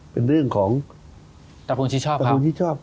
เป็นเรื่องของตระกูลชิชชอบ